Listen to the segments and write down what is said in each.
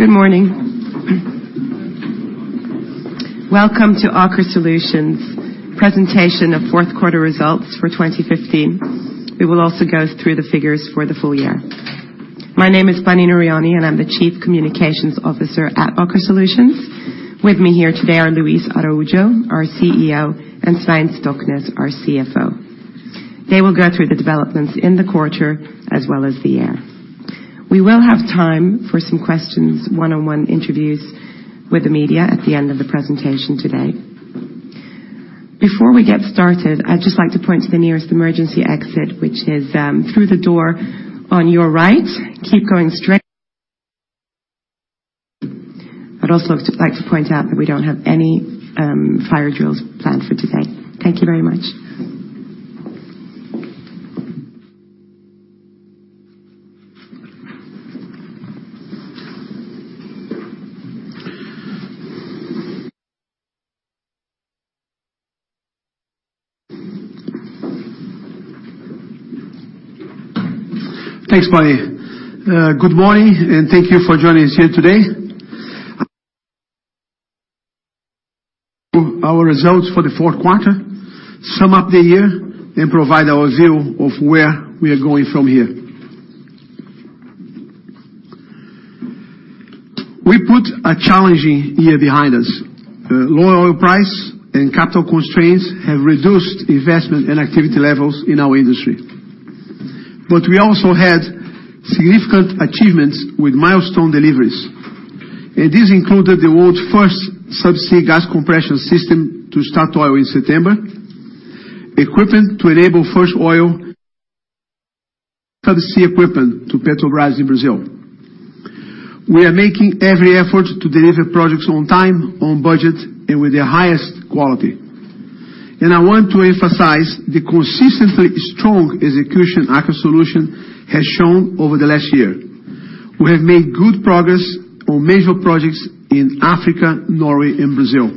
Good morning. Welcome to Aker Solutions presentation of Q4 results for 2015. We will also go through the figures for the full year. My name is Bunny Nooryani, I'm the Chief Communications Officer at Aker Solutions. With me here today are Luis Araujo, our CEO, Svein Stoknes, our CFO. They will go through the developments in the quarter as well as the year. We will have time for some questions, one-on-one interviews with the media at the end of the presentation today. Before we get started, I'd just like to point to the nearest emergency exit, which is through the door on your right. Keep going straight. I'd also like to point out that we don't have any fire drills planned for today. Thank you very much. Thanks, Bunny. Good morning, and thank you for joining us here today. Our results for the Q4 sum up the year, and provide our view of where we are going from here. We put a challenging year behind us. Low oil price and capital constraints have reduced investment and activity levels in our industry. We also had significant achievements with milestone deliveries. This included the world's first subsea gas compression system to statoil in September, equipment to enable first oil subsea equipment to Petrobras in Brazil. We are making every effort to deliver projects on time, on budget, and with the highest quality. I want to emphasize the consistently strong execution Aker Solutions has shown over the last year. We have made good progress on major projects in Africa, Norway, and Brazil.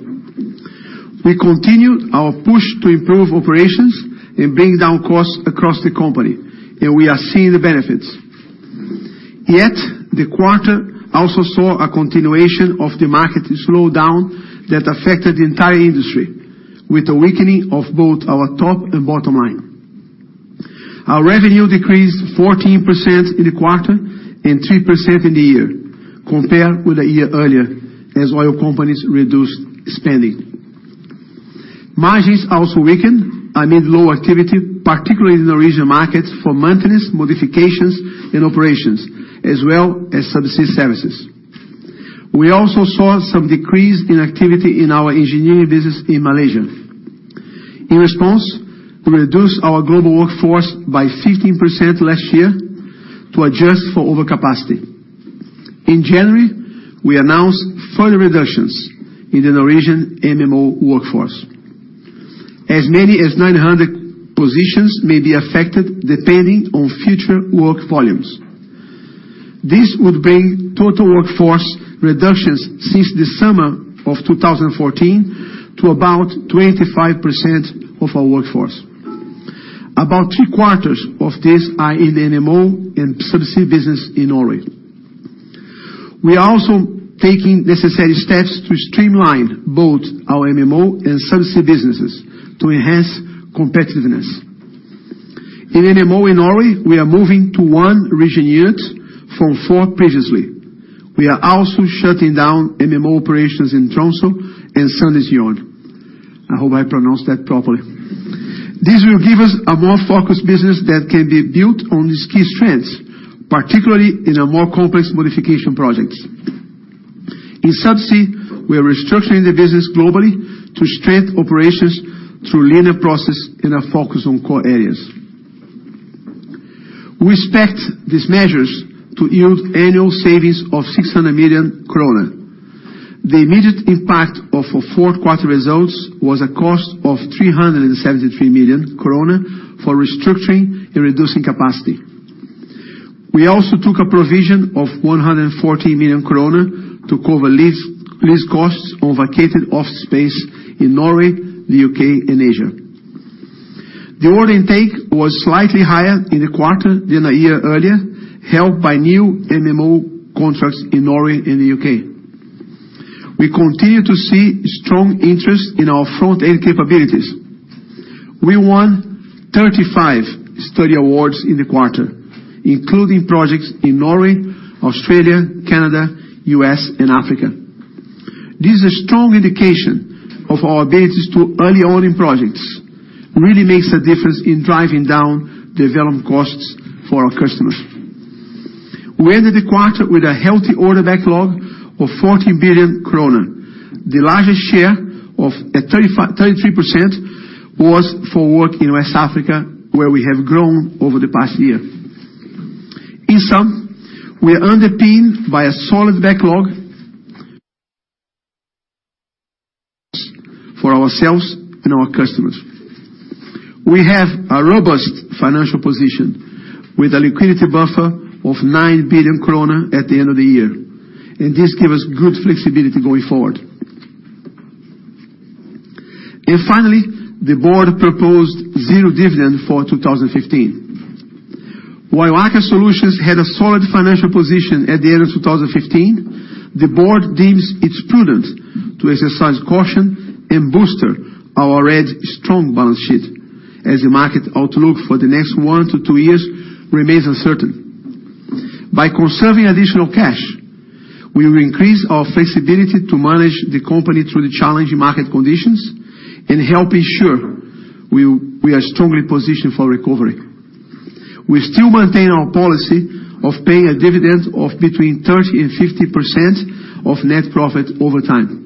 We continue our push to improve operations and bring down costs across the company, and we are seeing the benefits. Yet, the quarter also saw a continuation of the market slowdown that affected the entire industry with a weakening of both our top and bottom line. Our revenue decreased 14% in the quarter and 3% in the year compared with a year earlier as oil companies reduced spending. Margins also weakened amid low activity, particularly in the regional markets for maintenance, modifications, and operations, as well as Subsea services. We also saw some decrease in activity in our engineering business in Malaysia. In response, we reduced our global workforce by 15% last year to adjust for overcapacity. In January, we announced further reductions in the Norwegian MMO workforce. As many as 900 positions may be affected depending on future work volumes. This would bring total workforce reductions since the summer of 2014 to about 25% of our workforce. About three-quarters of this are in the MMO and Subsea business in Norway. We are also taking necessary steps to streamline both our MMO and Subsea businesses to enhance competitiveness. In MMO in Norway, we are moving to 1 region unit from 4 previously. We are also shutting down MMO operations in Tromsø and Sandnessjøen. I hope I pronounced that properly. This will give us a more focused business that can be built on these key strengths, particularly in our more complex modification projects. In Subsea, we are restructuring the business globally to strengthen operations through leaner process and a focus on core areas. We expect these measures to yield annual savings of 600 million kroner. The immediate impact of our Q4 results was a cost of 373 million kroner for restructuring and reducing capacity. We also took a provision of 140 million krone to cover lease costs on vacated office space in Norway, the U.K., and Asia. The order intake was slightly higher in the quarter than a year earlier, helped by new MMO contracts in Norway and the U.K. We continue to see strong interest in our front-end capabilities. We won 35 study awards in the quarter, including projects in Norway, Australia, Canada, U.S., and Africa. This is a strong indication of our abilities to early-own in projects. Really makes a difference in driving down development costs for our customers. We ended the quarter with a healthy order backlog of 40 billion kroner. The largest share of 33% was for work in West Africa, where we have grown over the past year. In sum, we are underpinned by a solid backlog for ourselves and our customers. We have a robust financial position with a liquidity buffer of 9 billion kroner at the end of the year. This give us good flexibility going forward. Finally, the board proposed zero dividend for 2015. While Aker Solutions had a solid financial position at the end of 2015, the board deems it prudent to exercise caution and booster our already strong balance sheet as the market outlook for the next 1-2 years remains uncertain. By conserving additional cash, we will increase our flexibility to manage the company through the challenging market conditions and help ensure we are strongly positioned for recovery. We still maintain our policy of paying a dividend of between 30% and 50% of net profit over time.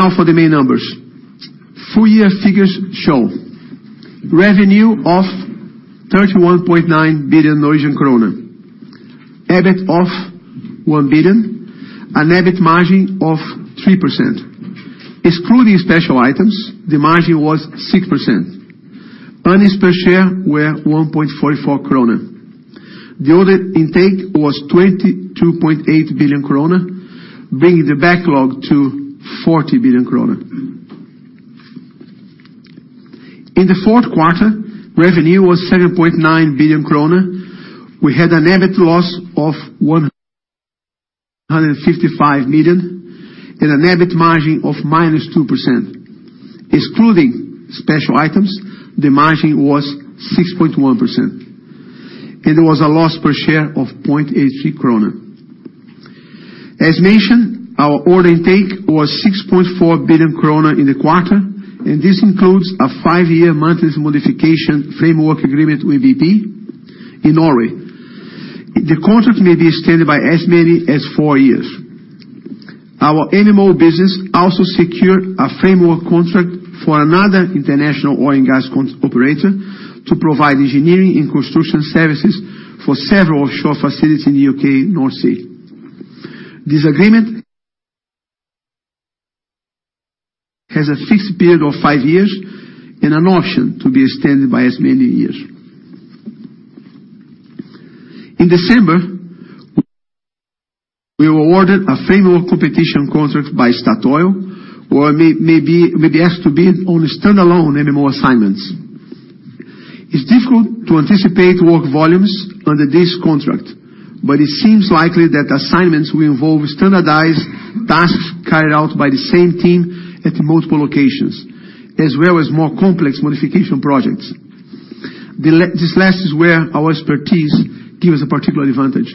Now for the main numbers. Full year figures show revenue of 31.9 billion Norwegian krone, EBIT of 1 billion, an EBIT margin of 3%. Excluding special items, the margin was 6%. Earnings per share were 1.44 kroner. The order intake was 22.8 billion kroner, bringing the backlog to 40 billion kroner. In the Q4, revenue was 7.9 billion kroner. We had an EBIT loss of 155 million and an EBIT margin of minus 2%. Excluding special items, the margin was 6.1% and there was a loss per share of 0.83 krone. As mentioned, our order intake was 6.4 billion krone in the quarter. This includes a 5-year maintenance modification framework agreement with BP in Norway. The contract may be extended by as many as 4 years. Our MMO business also secured a framework contract for another international oil and gas operator to provide engineering and construction services for several offshore facilities in the U.K. North Sea. This agreement has a fixed period of 5 years. An option to be extended by as many years. In December, we were awarded a framework competition contract by Statoil, where we may be asked to bid on standalone MMO assignments. It's difficult to anticipate work volumes under this contract. It seems likely that assignments will involve standardized tasks carried out by the same team at multiple locations, as well as more complex modification projects. This last is where our expertise give us a particular advantage.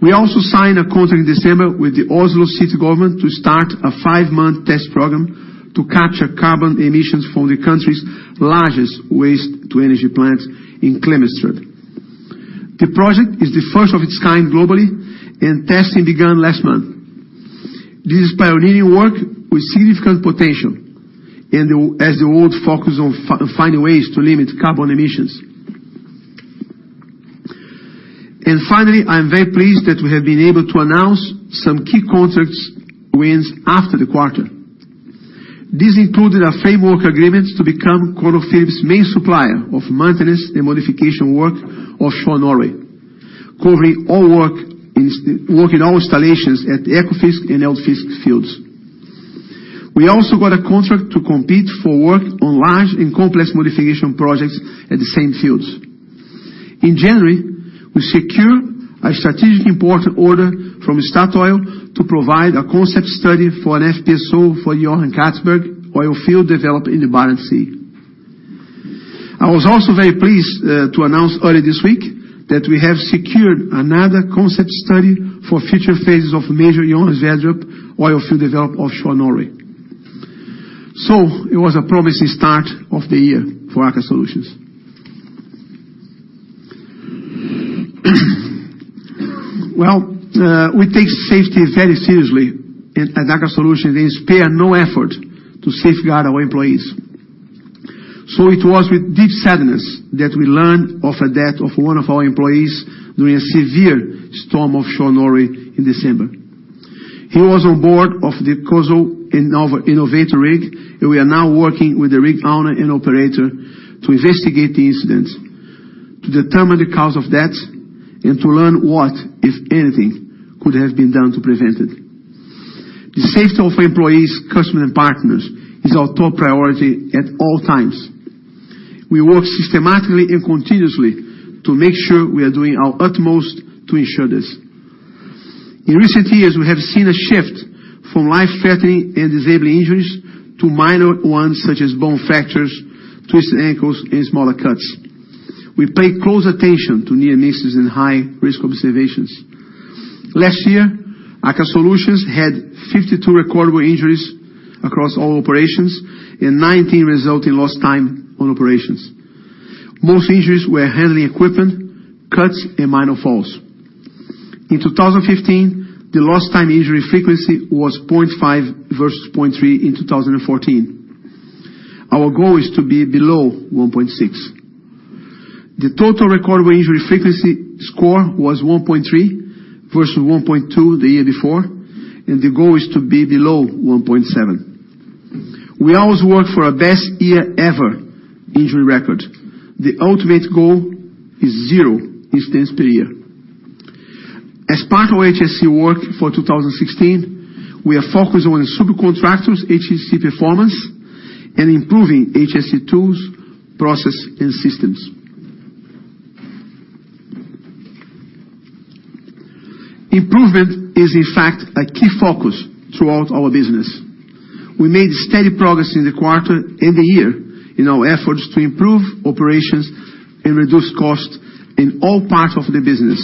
We also signed a contract in December with the City of Oslo to start a 5-month test program to capture carbon emissions from the country's largest waste-to-energy plant in Klemetsrud. The project is the first of its kind globally, and testing began last month. This is pioneering work with significant potential as the world focus on finding ways to limit carbon emissions. Finally, I am very pleased that we have been able to announce some key contracts wins after the quarter. This included a framework agreement to become ConocoPhillips' main supplier of maintenance and modification work offshore Norway, covering all work in all installations at the Ekofisk and Eldfisk fields. We also got a contract to compete for work on large and complex modification projects at the same fields. In January, we secure a strategic important order from Statoil to provide a concept study for an FPSO for Johan Castberg oil field developed in the Barents Sea. I was also very pleased to announce early this week that we have secured another concept study for future phases of major Johan Sverdrup oil field developed offshore Norway. It was a promising start of the year for Aker Solutions. We take safety very seriously at Aker Solutions and spare no effort to safeguard our employees. It was with deep sadness that we learned of a death of one of our employees during a severe storm offshore Norway in December. He was on board of the COSL Innovator rig. We are now working with the rig owner and operator to investigate the incident, to determine the cause of death, and to learn what, if anything, could have been done to prevent it. The safety of our employees, customers, and partners is our top priority at all times. We work systematically and continuously to make sure we are doing our utmost to ensure this. In recent years, we have seen a shift from life-threatening and disabling injuries to minor ones such as bone fractures, twisted ankles, and smaller cuts. We pay close attention to near misses and high-risk observations. Last year, Aker Solutions had 52 recordable injuries across all operations and 19 result in lost time on operations. Most injuries were handling equipment, cuts, and minor falls. In 2015, the lost time injury frequency was 0.5 versus 0.3 in 2014. Our goal is to be below 1.6. The total recordable injury frequency score was 1.3 versus 1.2 the year before, and the goal is to be below 1.7. We always work for our best year ever injury record. The ultimate goal is 0 incidents per year. As part of our HSC work for 2016, we are focused on the subcontractors' HSC performance and improving HSC tools, process, and systems. Improvement is, in fact, a key focus throughout our business. We made steady progress in the quarter and the year in our efforts to improve operations and reduce costs in all parts of the business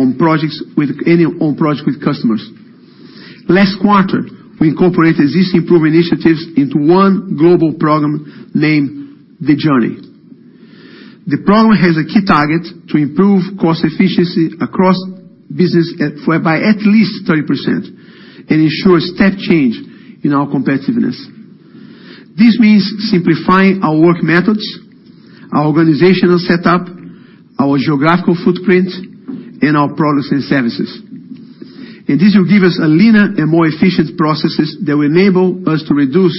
on project with customers. Last quarter, we incorporated these improvement initiatives into one global program named The Journey. The program has a key target to improve cost efficiency across business by at least 30% and ensure a step change in our competitiveness. This means simplifying our work methods, our organizational setup, our geographical footprint, and our products and services. This will give us a leaner and more efficient processes that will enable us to reduce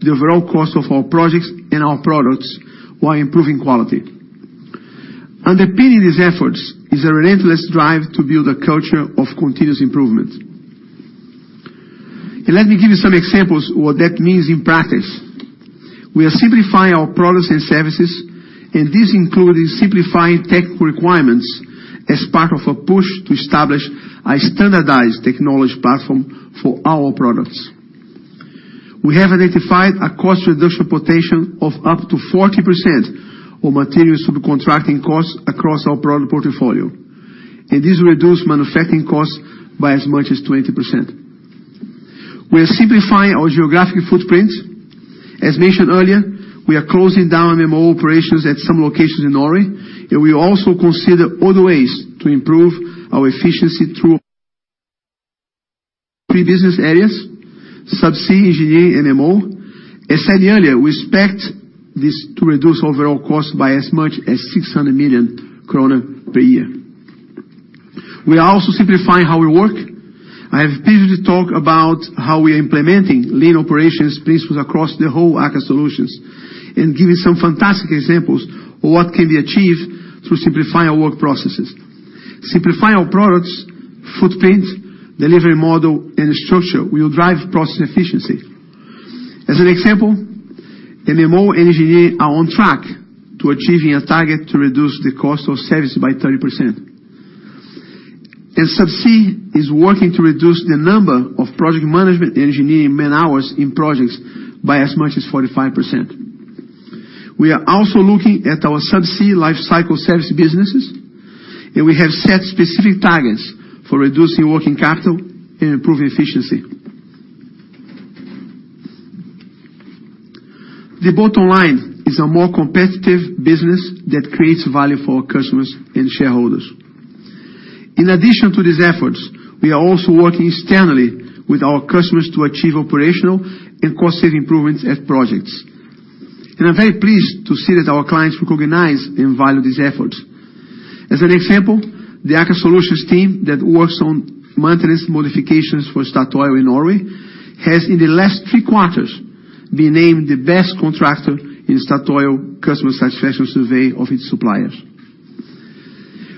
the overall cost of our projects and our products while improving quality. Underpinning these efforts is a relentless drive to build a culture of continuous improvement. Let me give you some examples what that means in practice. We are simplifying our products and services, and this includes simplifying technical requirements as part of a push to establish a standardized technology platform for our products. We have identified a cost reduction potential of up to 40% on material subcontracting costs across our product portfolio. This will reduce manufacturing costs by as much as 20%. We are simplifying our geographic footprint. As mentioned earlier, we are closing down MMO operations at some locations in Norway. We also consider other ways to improve our efficiency through three business areas, Subsea, engineering, MMO. As said earlier, we expect this to reduce overall costs by as much as 600 million krone per year. We are also simplifying how we work. I have previously talked about how we are implementing lean operations principles across the whole Aker Solutions, giving some fantastic examples of what can be achieved through simplifying our work processes. Simplifying our products, footprint, delivery model, and structure will drive process efficiency. As an example, MMO engineering are on track to achieving a target to reduce the cost of services by 30%. Subsea is working to reduce the number of project management engineering man-hours in projects by as much as 45%. We are also looking at our Subsea lifecycle service businesses, and we have set specific targets for reducing working capital and improving efficiency. The bottom line is a more competitive business that creates value for our customers and shareholders. In addition to these efforts, we are also working externally with our customers to achieve operational and and cost-saving improvements at projects. I'm very pleased to see that our clients recognize and value these efforts. As an example, the Aker Solutions team that works on maintenance modifications for Statoil in Norway has, in the last 3 quarters, been named the best contractor in Statoil customer satisfaction survey of its suppliers.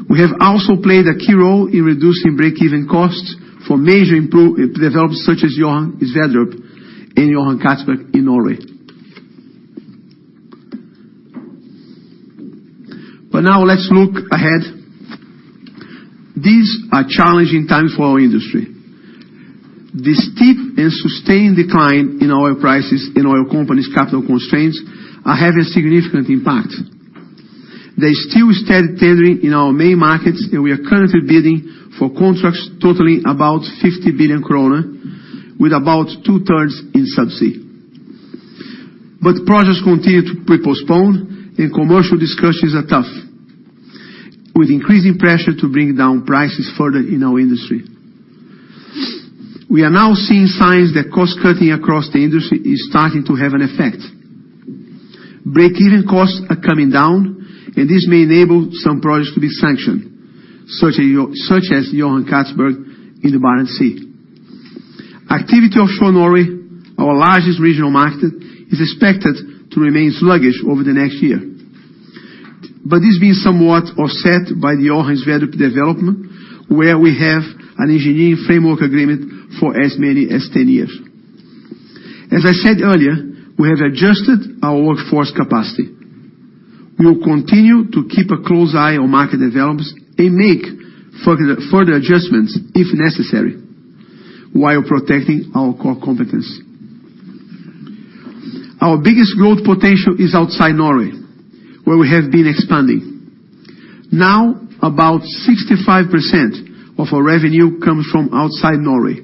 We have also played a key role in reducing break-even costs for major developments such as Johan Sverdrup and Johan Castberg in Norway. Now let's look ahead. These are challenging times for our industry. The steep and sustained decline in oil prices and oil companies' capital constraints are having a significant impact. They still steady, tethering in our main markets, and we are currently bidding for contracts totaling about 50 billion kroner, with about two-thirds in Subsea. Projects continue to be postponed and commercial discussions are tough, with increasing pressure to bring down prices further in our industry. We are now seeing signs that cost-cutting across the industry is starting to have an effect. Break-even costs are coming down. This may enable some projects to be sanctioned, such as Johan Castberg in the Barents Sea. Activity offshore Norway, our largest regional market, is expected to remain sluggish over the next year. This is being somewhat offset by the Johan Sverdrup development, where we have an engineering framework agreement for as many as 10 years. As I said earlier, we have adjusted our workforce capacity. We will continue to keep a close eye on market developments and make further adjustments, if necessary, while protecting our core competence. Our biggest growth potential is outside Norway, where we have been expanding. About 65% of our revenue comes from outside Norway,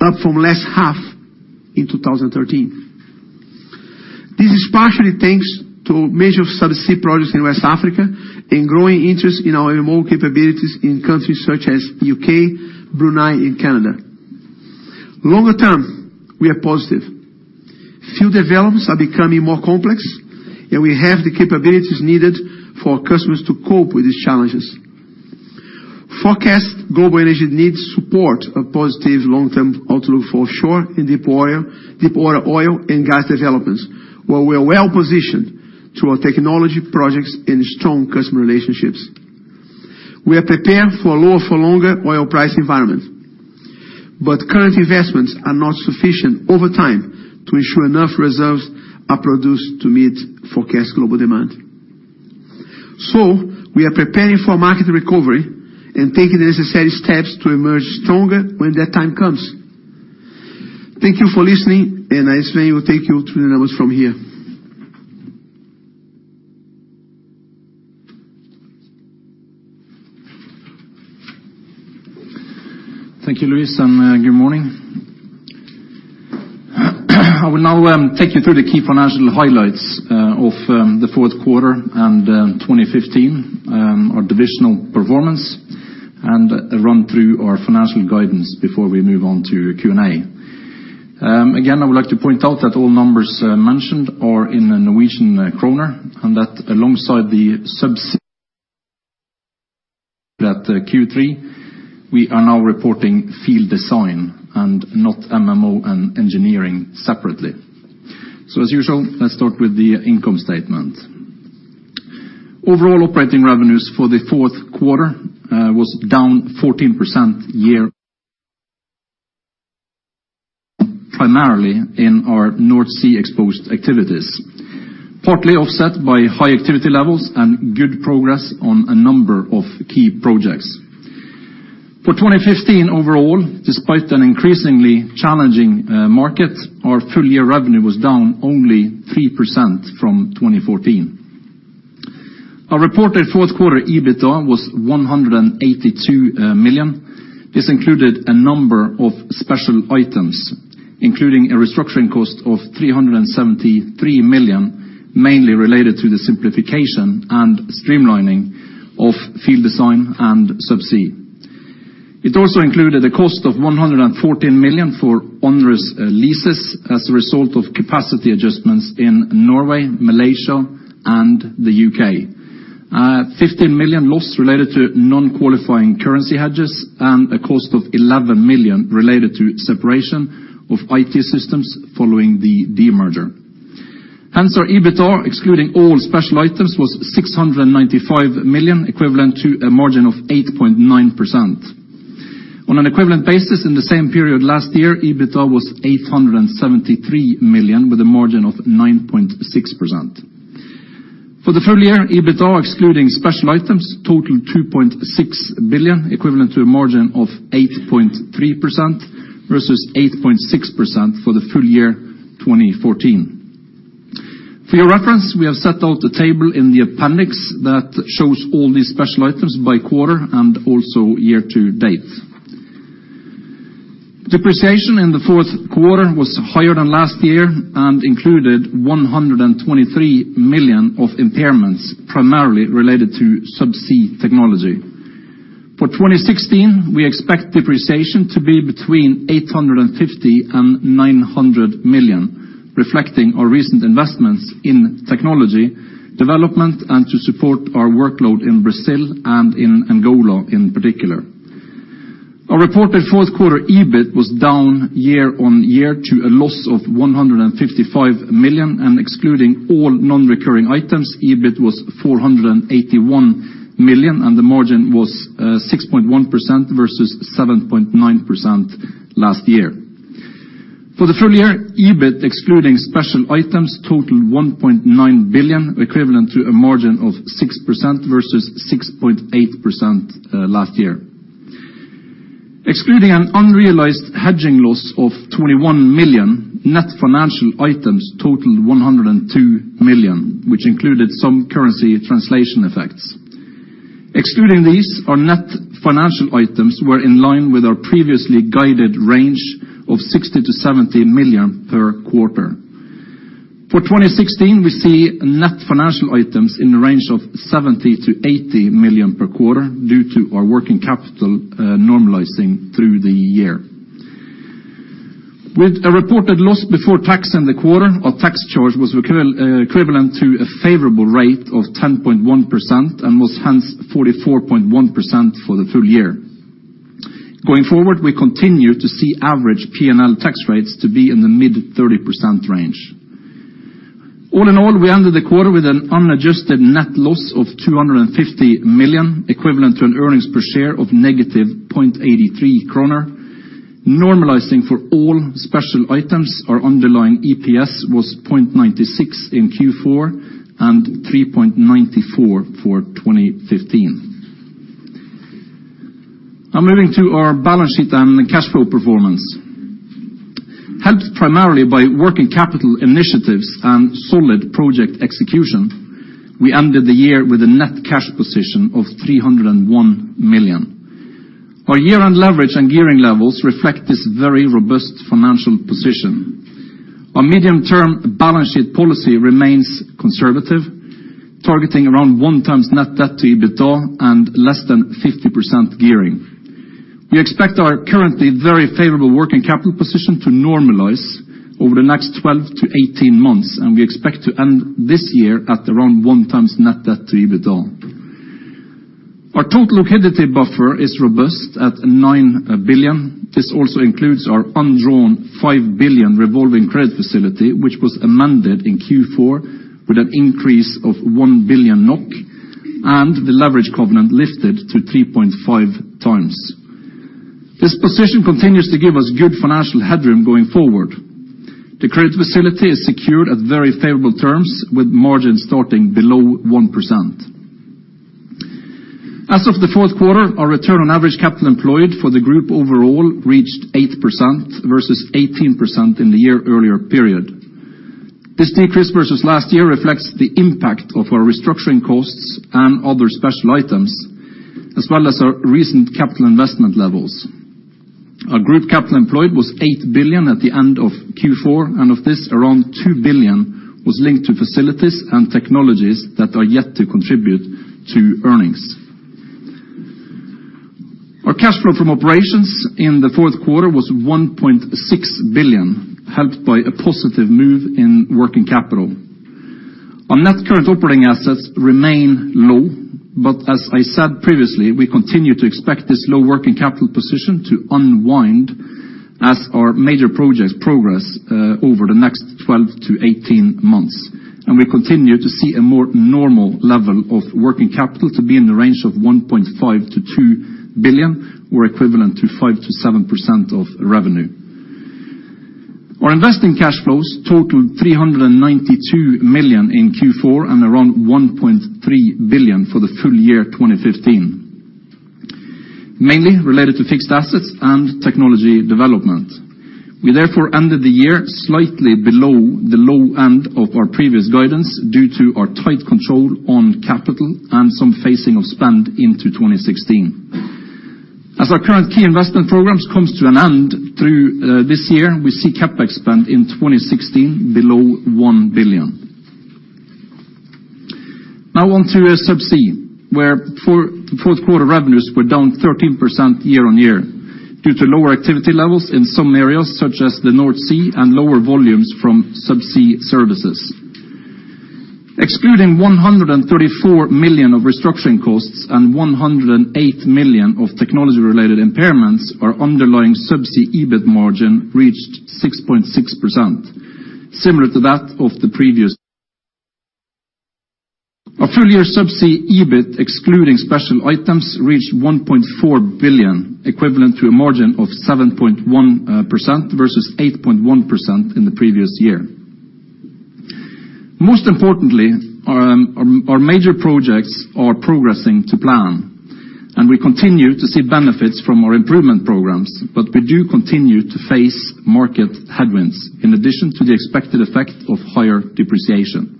up from last half in 2013. This is partially thanks to major Subsea projects in West Africa and growing interest in our MMO capabilities in countries such as U.K., Brunei, and Canada. Longer term, we are positive. Field developments are becoming more complex. We have the capabilities needed for our customers to cope with these challenges. Forecast global energy needs support a positive long-term outlook for offshore and deepwater oil and gas developments, where we are well-positioned through our technology projects and strong customer relationships. We are prepared for a lower-for-longer oil price environment. Current investments are not sufficient over time to ensure enough reserves are produced to meet forecast global demand. We are preparing for market recovery and taking the necessary steps to emerge stronger when that time comes. Thank you for listening. Eystein will take you through the numbers from here. Thank you, Luis. Good morning. I will now take you through the key financial highlights of the Q4 and 2015, our divisional performance, and run through our financial guidance before we move on to Q&A. Again, I would like to point out that all numbers mentioned are in the Norwegian krone, and that alongside the Subsea that Q3, we are now reporting Field Design and not MMO and engineering separately. As usual, let's start with the income statement. Overall operating revenues for the Q4 was down 14% primarily in our North Sea-exposed activities, partly offset by high activity levels and good progress on a number of key projects. For 2015 overall, despite an increasingly challenging market, our full-year revenue was down only 3% from 2014. Our reported Q4 EBITDA was 182 million. This included a number of special items, including a restructuring cost of 373 million, mainly related to the simplification and streamlining of Field Design and Subsea. It also included a cost of 114 million for onerous leases as a result of capacity adjustments in Norway, Malaysia, and the U.K. Fifteen million loss related to non-qualifying currency hedges and a cost of 11 million related to separation of IT systems following the demerger. Hence, our EBITDA, excluding all special items, was 695 million, equivalent to a margin of 8.9%. On an equivalent basis in the same period last year, EBITDA was 873 million, with a margin of 9.6%. For the full year, EBITDA, excluding special items, totaled 2.6 billion, equivalent to a margin of 8.3% versus 8.6% for the full year 2014. For your reference, we have set out a table in the appendix that shows all these special items by quarter and also year to date. Depreciation in the Q4 was higher than last year and included 123 million of impairments, primarily related to Subsea technology. For 2016, we expect depreciation to be between 850 million and 900 million, reflecting our recent investments in technology development and to support our workload in Brazil and in Angola in particular. Our reported Q4 EBIT was down year-on-year to a loss of 155 million, and excluding all non-recurring items, EBIT was 481 million, and the margin was 6.1% versus 7.9% last year. For the full year, EBIT, excluding special items, totaled 1.9 billion, equivalent to a margin of 6% versus 6.8% last year. Excluding an unrealized hedging loss of 21 million, net financial items totaled 102 million, which included some currency translation effects. Excluding these, our net financial items were in line with our previously guided range of 60 million–70 million per quarter. For 2016, we see net financial items in the range of 70 million–80 million per quarter due to our working capital normalizing through the year. With a reported loss before tax in the quarter, our tax charge was equivalent to a favorable rate of 10.1% and was hence 44.1% for the full year. Going forward, we continue to see average P&L tax rates to be in the mid-30% range. All in all, we ended the quarter with an unadjusted net loss of 250 million, equivalent to an earnings per share of negative 0.83 kroner. Normalizing for all special items, our underlying EPS was 0.96 in Q4 and 3.94 for 2015. Now moving to our balance sheet and cash flow performance. Helped primarily by working capital initiatives and solid project execution, we ended the year with a net cash position of 301 million. Our year-end leverage and gearing levels reflect this very robust financial position. Our medium-term balance sheet policy remains conservative, targeting around 1 time net debt to EBITDA and less than 50% gearing. We expect our currently very favorable working capital position to normalize over the next 12-18 months, and we expect to end this year at around 1 time net debt to EBITDA. Our total liquidity buffer is robust at 9 billion. This also includes our undrawn 5 billion revolving credit facility, which was amended in Q4 with an increase of 1 billion NOK and the leverage covenant lifted to 3.5 times. This position continues to give us good financial headroom going forward. The credit facility is secured at very favorable terms with margins starting below 1%. As of the Q4, our return on average capital employed for the group overall reached 8% versus 18% in the year earlier period. This decrease versus last year reflects the impact of our restructuring costs and other special items as well as our recent capital investment levels. Our group capital employed was 8 billion at the end of Q4, and of this, around 2 billion was linked to facilities and technologies that are yet to contribute to earnings. Our cash flow from operations in the Q4 was 1.6 billion, helped by a positive move in working capital. Our net current operating assets remain low, but as I said previously, we continue to expect this low working capital position to unwind as our major projects progress over the next 12-18 months. We continue to see a more normal level of working capital to be in the range of 1.5 billion–2 billion or equivalent to 5%–7% of revenue. Our investing cash flows totaled 392 million in Q4 and around 1.3 billion for the full year 2015, mainly related to fixed assets and technology development. We therefore ended the year slightly below the low end of our previous guidance due to our tight control on capital and some phasing of spend into 2016. As our current key investment programs comes to an end through this year, we see CapEx spend in 2016 below 1 billion. Now on to Subsea, where Q4 revenues were down 13% year-over-year due to lower activity levels in some areas, such as the North Sea and lower volumes from Subsea Services. Excluding 134 million of restructuring costs and 108 million of technology-related impairments, our underlying Subsea EBIT margin reached 6.6%, similar to that of the previous. Our full-year Subsea EBIT, excluding special items, reached 1.4 billion, equivalent to a margin of 7.1% versus 8.1% in the previous year. Most importantly, our major projects are progressing to plan, and we continue to see benefits from our improvement programs. We do continue to face market headwinds in addition to the expected effect of higher depreciation.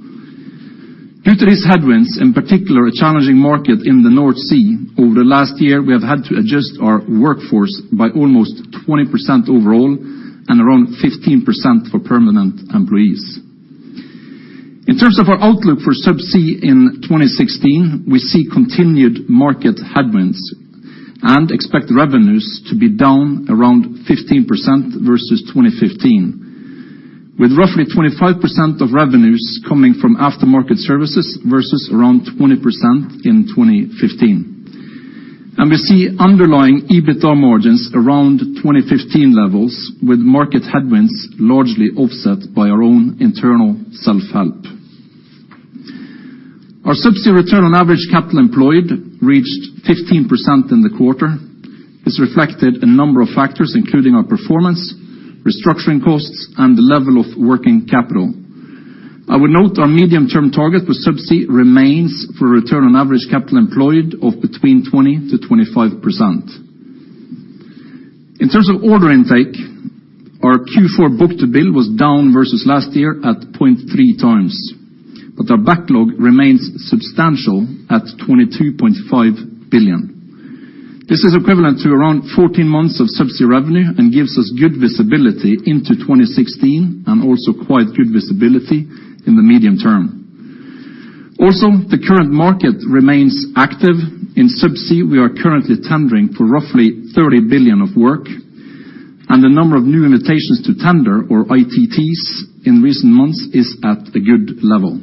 Due to these headwinds, in particular a challenging market in the North Sea, over the last year we have had to adjust our workforce by almost 20% overall and around 15% for permanent employees. In terms of our outlook for Subsea in 2016, we see continued market headwinds and expect revenues to be down around 15% versus 2015, with roughly 25% of revenues coming from after-market services versus around 20% in 2015. We see underlying EBITDA margins around 2015 levels, with market headwinds largely offset by our own internal self-help. Our Subsea return on average capital employed reached 15% in the quarter. This reflected a number of factors, including our performance, restructuring costs, and the level of working capital. I would note our medium-term target for Subsea remains for a return on average capital employed of between 20%–25%. In terms of order intake, our Q4 book-to-bill was down versus last year at 0.3 times, but our backlog remains substantial at 22.5 billion. This is equivalent to around 14 months of Subsea revenue and gives us good visibility into 2016 and also quite good visibility in the medium term. The current market remains active. In Subsea, we are currently tendering for roughly 30 billion of work, and the number of new invitations to tender or ITTs in recent months is at a good level.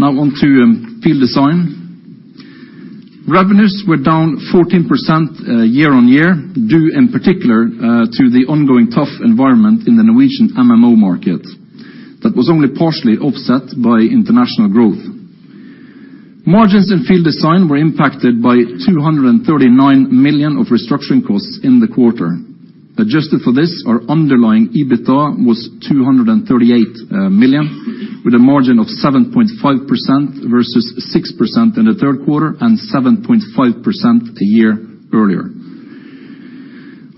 On to Field Design. Revenues were down 14% year-on-year, due in particular to the ongoing tough environment in the Norwegian MMO market that was only partially offset by international growth. Margins in Field Design were impacted by 239 million of restructuring costs in the quarter. Adjusted for this, our underlying EBITDA was 238 million, with a margin of 7.5% versus 6% in the Q3 and 7.5% a year earlier.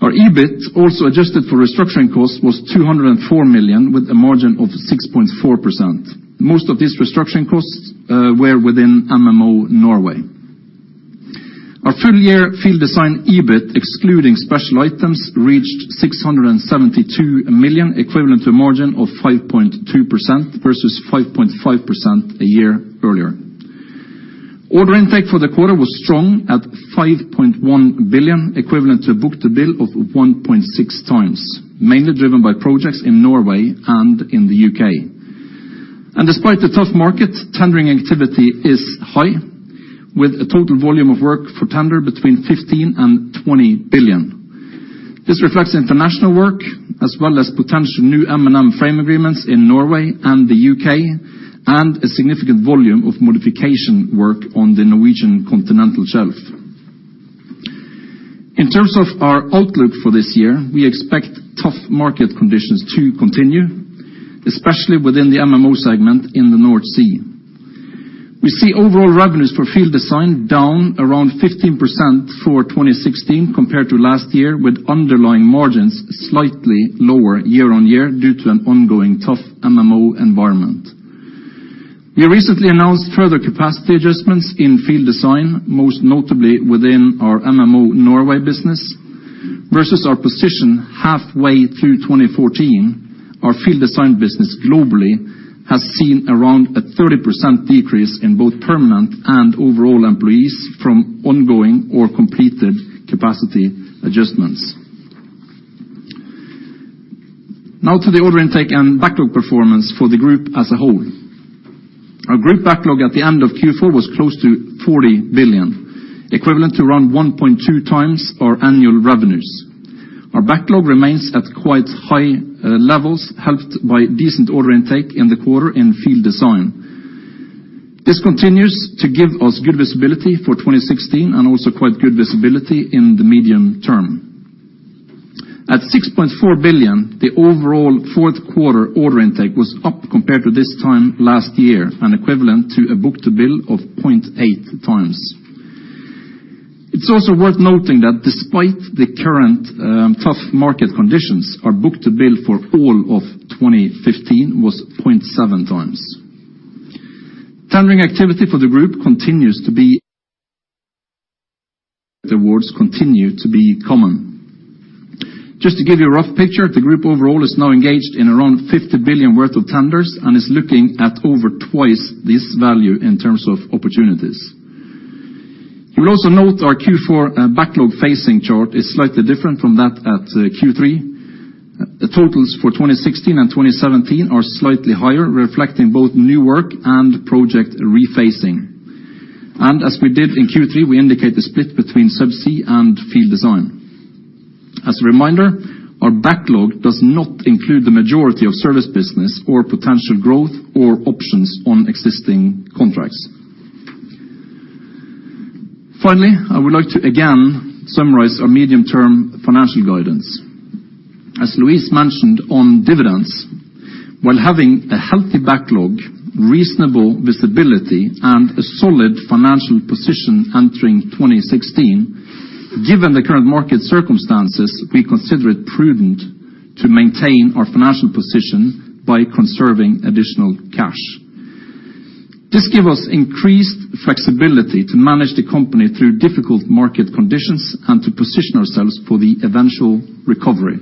Our EBIT, also adjusted for restructuring costs, was 204 million with a margin of 6.4%. Most of these restructuring costs were within MMO Norway. Our full-year Field Design EBIT, excluding special items, reached 672 million, equivalent to a margin of 5.2% versus 5.5% a year earlier. Order intake for the quarter was strong at 5.1 billion, equivalent to a book-to-bill of 1.6 times, mainly driven by projects in Norway and in the U.K. Despite the tough market, tendering activity is high, with a total volume of work for tender between 15 billion and 20 billion. This reflects international work, as well as potential new MMO frame agreements in Norway and the U.K., and a significant volume of modification work on the Norwegian Continental Shelf. In terms of our outlook for this year, we expect tough market conditions to continue, especially within the MMO segment in the North Sea. We see overall revenues for Field Design down around 15% for 2016 compared to last year, with underlying margins slightly lower year-on-year due to an ongoing tough MMO environment. We recently announced further capacity adjustments in Field Design, most notably within our MMO Norway business. Versus our position halfway through 2014, our Field Design business globally has seen around a 30% decrease in both permanent and overall employees from ongoing or completed capacity adjustments. To the order intake and backlog performance for the group as a whole. Our group backlog at the end of Q4 was close to 40 billion, equivalent to around 1.2 times our annual revenues. Our backlog remains at quite high levels, helped by decent order intake in the quarter in Field Design. This continues to give us good visibility for 2016 and also quite good visibility in the medium term. At 6.4 billion, the overall Q4 order intake was up compared to this time last year and equivalent to a book-to-bill of 0.8 times. It's also worth noting that despite the current tough market conditions, our book-to-bill for all of 2015 was 0.7 times. Tendering activity for the group continues to be awards continue to be common. Just to give you a rough picture, the group overall is now engaged in around 50 billion worth of tenders and is looking at over twice this value in terms of opportunities. You will also note our Q4, backlog phasing chart is slightly different from that at Q3. The totals for 2016 and 2017 are slightly higher, reflecting both new work and project rephasing. As we did in Q3, we indicate the split between Subsea and Field Design. As a reminder, our backlog does not include the majority of service business or potential growth or options on existing contracts. Finally, I would like to again summarize our medium-term financial guidance. As Luis mentioned on dividends, while having a healthy backlog, reasonable visibility, and a solid financial position entering 2016, given the current market circumstances, we consider it prudent to maintain our financial position by conserving additional cash. This give us increased flexibility to manage the company through difficult market conditions and to position ourselves for the eventual recovery.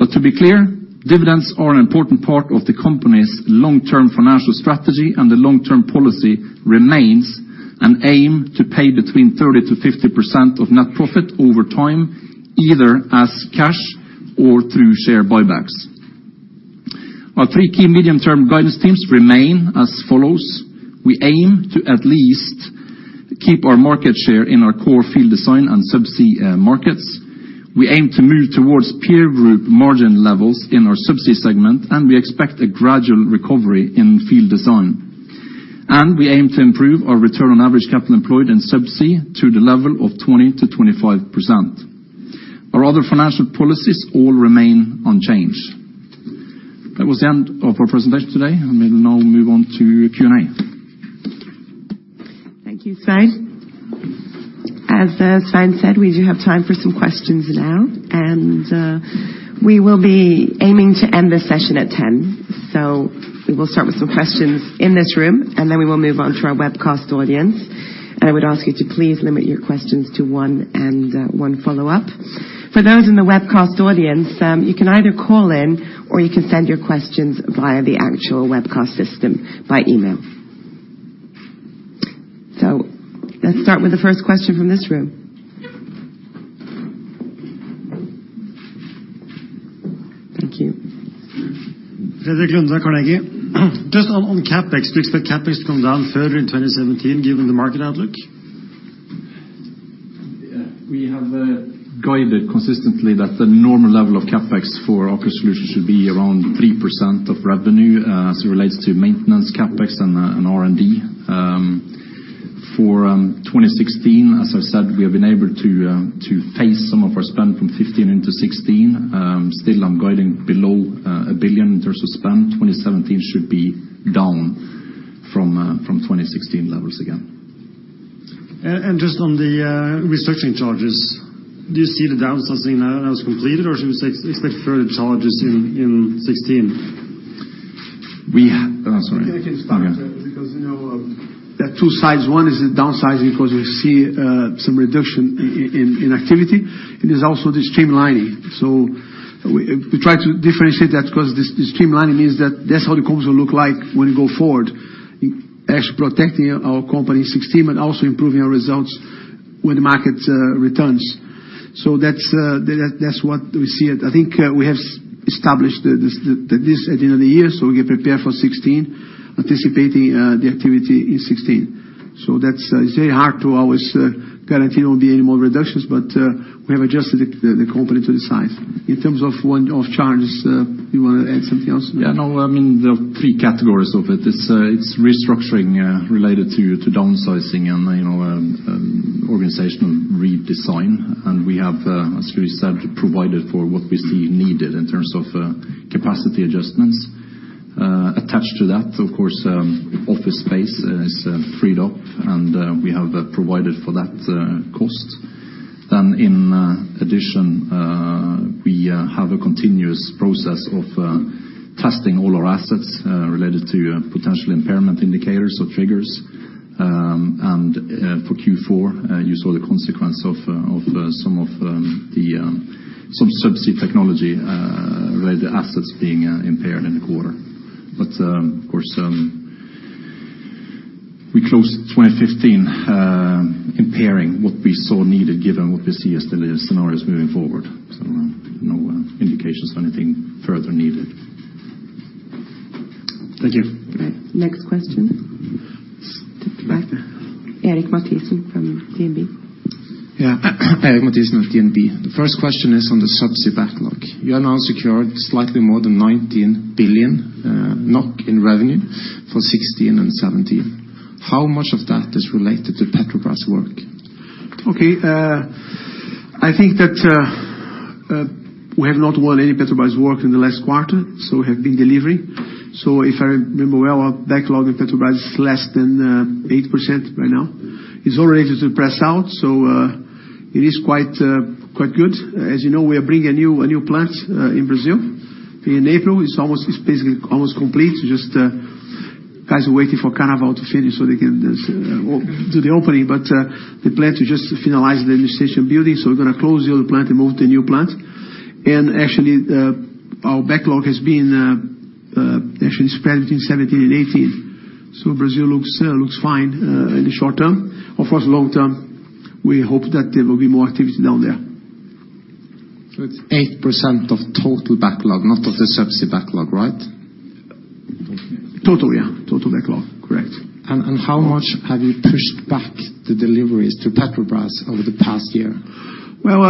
To be clear, dividends are an important part of the company's long-term financial strategy, and the long-term policy remains an aim to pay between 30%–50% of net profit over time, either as cash or through share buybacks. Our three key medium-term guidance themes remain as follows. We aim to at least keep our market share in our core Field Design and Subsea markets. We aim to move towards peer group margin levels in our Subsea segment, and we expect a gradual recovery in Field Design. We aim to improve our return on average capital employed in Subsea to the level of 20%–25%. Our other financial policies all remain unchanged. That was the end of our presentation today, and we'll now move on to Q&A. Thank you, Svein. As Svein said, we do have time for some questions now, and we will be aiming to end this session at 10:00. We will start with some questions in this room, and then we will move on to our webcast audience. I would ask you to please limit your questions to one and one follow-up. For those in the webcast audience, you can either call in, or you can send your questions via the actual webcast system by email. Let's start with the first question from this room. Thank you. Frederik Lunde, Carnegie. Just on CapEx, do you expect CapEx to come down further in 2017 given the market outlook? We have guided consistently that the normal level of CapEx for Aker Solutions should be around 3% of revenue, as it relates to maintenance CapEx and R&D. For 2016, as I've said, we have been able to phase some of our spend from 2015 into 2016. Still I'm guiding below 1 billion in terms of spend. 2017 should be down from 2016 levels again. Just on the restructuring charges, do you see the downsizing now as completed, or should we expect further charges in 2016? Oh, sorry. I can start. Yeah Because, you know, there are two sides. One is the downsizing because we see some reduction in activity. It is also the streamlining. We try to differentiate that because the streamlining means that that's how the company will look like when we go forward, actually protecting our company in 2016 and also improving our results when the market returns. That's what we see it. I think we have established this at the end of the year, we get prepared for 2016, anticipating the activity in 2016. That's very hard to always guarantee there won't be any more reductions, but we have adjusted the company to the size. In terms of one-off charges, you wanna add something else? No. I mean, there are three categories of it. It's restructuring related to downsizing and, you know, organizational redesign. We have, as we said, provided for what we see needed in terms of capacity adjustments. Attached to that, of course, office space is freed up and we have provided for that cost. In addition, we have a continuous process of testing all our assets related to potential impairment indicators or triggers. For Q4, you saw the consequence of some of the some Subsea technology where the assets being impaired in the quarter. Of course, we closed 2015, impairing what we saw needed given what we see as the scenarios moving forward. No indications or anything further needed. Thank you. Next question. To the back. Eirik Mathiassen from DNB. Yeah. Eirik Mathiassen at DNB. The first question is on the Subsea backlog. You have now secured slightly more than 19 billion NOK in revenue for 2016 and 2017. How much of that is related to Petrobras work? Okay. I think that we have not won any Petrobras work in the last quarter, so we have been delivering. If I remember well, our backlog in Petrobras is less than 8% right now. It's all related to pre-salt, so it is quite good. As you know, we are bringing a new plant in Brazil in April. It's basically almost complete. Just, guys are waiting for carnival to finish so they can just do the opening. They plan to just finalize the administration building, so we're gonna close the other plant and move to the new plant. Actually, our backlog has been actually spread between 17 and 18. Brazil looks fine in the short term. Of course, long term, we hope that there will be more activity down there. It's 8% of total backlog, not of the Subsea backlog, right? Total, yeah. Total backlog. Correct. How much have you pushed back the deliveries to Petrobras over the past year? Well,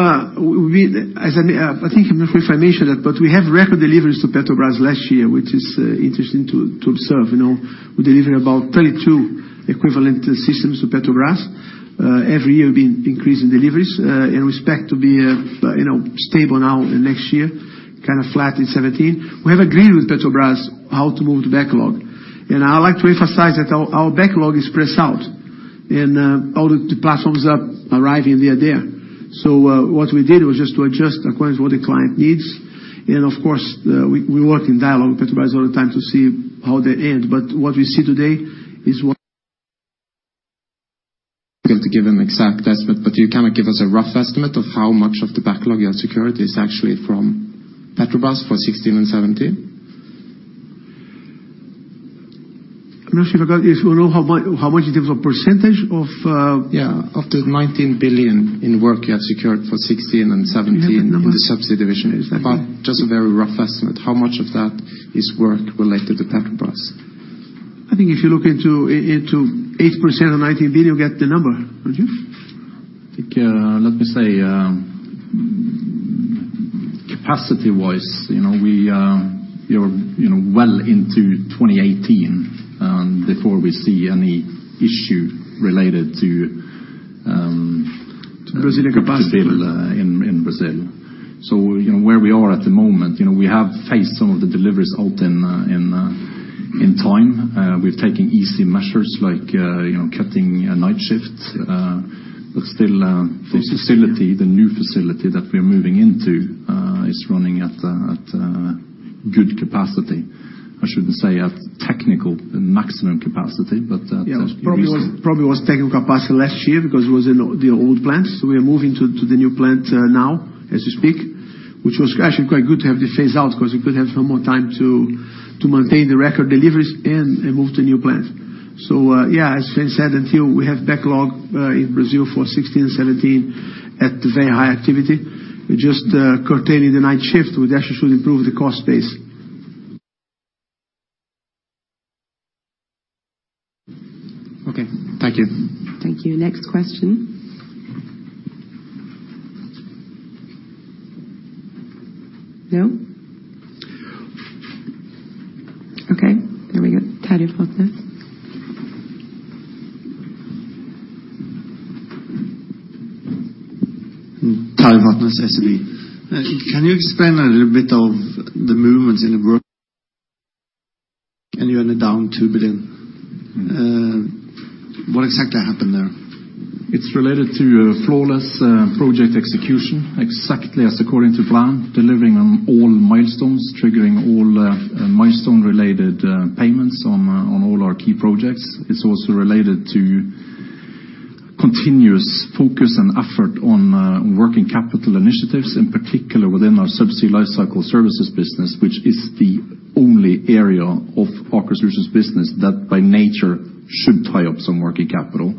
as I think I'm not sure if I mentioned it, but we have record deliveries to Petrobras last year, which is interesting to observe, you know. We delivered about 32 equivalent systems to Petrobras. Every year we've been increasing deliveries, and we expect to be, you know, stable now and next year, kind of flat in 2017. We have agreed with Petrobras how to move the backlog. I would like to emphasize that our backlog is pressed out and all the platforms are arriving, they are there. What we did was just to adjust according to what the client needs. Of course, we work in dialogue with Petrobras all the time to see how they end. What we see today is what. To give an exact estimate, but you cannot give us a rough estimate of how much of the backlog you have secured is actually from Petrobras for 2016 and 2017? You wanna know how much in terms of percentage of? Yeah, of the 19 billion in work you have secured for 2016 and 2017- Do you have that number? in the Subsea division. Exactly. About just a very rough estimate. How much of that is work related to Petrobras? I think if you look into 8% of 19 billion, you'll get the number, don't you? I think, let me say, capacity-wise, you know, we, you know, well into 2018, before we see any issue related to. Brazil capacity. Brazil. You know, where we are at the moment, you know, we have faced some of the deliveries out in time. We've taken easy measures like, you know, cutting night shifts. Still, this facility, the new facility that we are moving into, is running at good capacity. I shouldn't say at technical maximum capacity. Probably was technical capacity last year because it was in the old plant. We are moving to the new plant now as we speak, which was actually quite good to have the phase out because we could have some more time to maintain the record deliveries and move to new plant. As Svein said, until we have backlog in Brazil for 16 and 17 at very high activity, we're just curtailing the night shift, which actually should improve the cost base. Okay. Thank you. Thank you. Next question. No? Okay. Here we go. Terje Fatnes. Terje Fatnes, SEB. Can you explain a little bit of the movements in the work and you ended down 2 billion. What exactly happened there? It's related to flawless project execution, exactly as according to plan, delivering on all milestones, triggering all milestone related payments on all our key projects. It's also related to continuous focus and effort on working capital initiatives, in particular within our Subsea lifecycle services business, which is the only area of Aker Solutions business that by nature should tie up some working capital